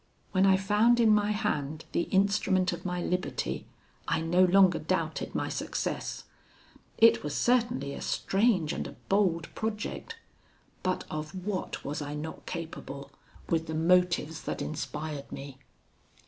"When I found in my hand the instrument of my liberty, I no longer doubted my success. It was certainly a strange and a bold project; but of what was I not capable, with the motives that inspired me?